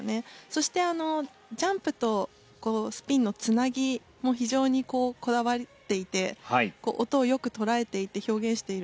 そしてジャンプとスピンのつなぎも非常にこだわっていて音をよく捉えていて表現しているなという。